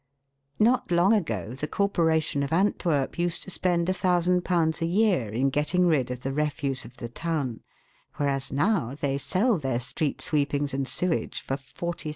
Not long ago the Corporation of Antwerp used to spend ;i,ooo a year in getting rid of the refuse of the town, whereas now they sell their street sweepings and sewage for ^"40,000.